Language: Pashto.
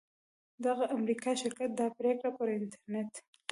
دغه امریکایي شرکت دا پریکړه پر انټرنیټ